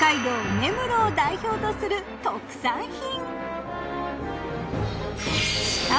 根室を代表とする特産品。